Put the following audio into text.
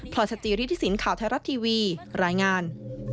พลังจัดจีริทธิสินข่าวไทยรัฐทีวีรายงาน